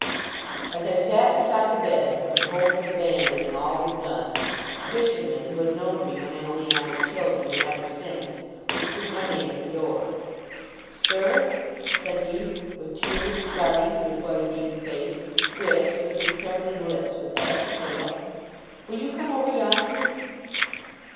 As I sat beside the bed, when hope was abandoned and all was done, a fisherman, who had known me when Emily and I were children, and ever since, whispered my name at the door. 'Sir,' said he, with tears starting to his weather beaten face, which, with his trembling lips, was ashy pale, 'will you come over yonder?